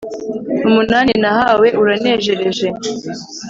umunani nahawe uranejereje